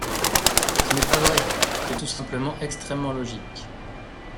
Ce n’est pas vrai ! C’est tout simplement extrêmement logique.